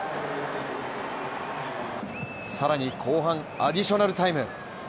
更に後半アディショナルタイム。